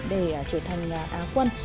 để trở thành á quân